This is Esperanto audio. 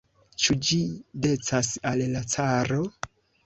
Ĉu ĝi decas al la caro?